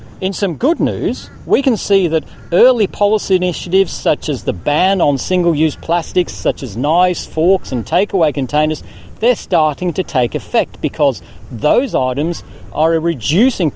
dalam berita baik kita bisa melihat bahwa inisiatif polisi awal seperti penyelamatan plastik yang dilakukan secara singkat